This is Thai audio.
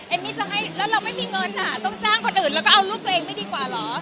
มี่จะให้แล้วเราไม่มีเงินต้องจ้างคนอื่นแล้วก็เอาลูกตัวเองไม่ดีกว่าเหรอ